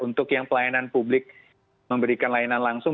untuk yang pelayanan publik memberikan layanan langsung